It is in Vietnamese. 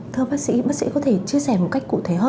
thưa bác sĩ bác sĩ có thể chia sẻ một cách cụ thể hơn